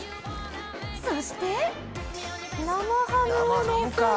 そして生ハムをのせる！